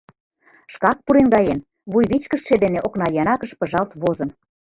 — Шкак пуреҥгаен, вуйвичкыжше дене окнаянакыш пыжалт возын.